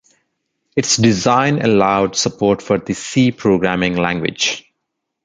Its design allowed support for the C programming language.